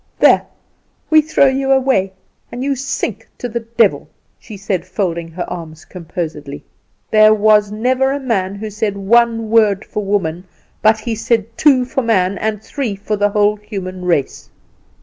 "There, we throw you away, and you sink to the devil," she said, folding her arms composedly. "There was never a man who said one word for woman but he said two for man, and three for the whole human race."